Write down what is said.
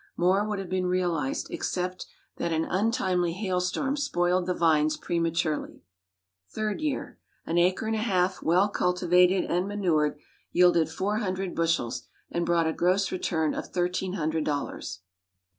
More would have been realized, except that an untimely hail storm spoiled the vines prematurely. Third Year. An acre and a half, well cultivated and manured, yielded four hundred bushels, and brought a gross return of thirteen hundred dollars.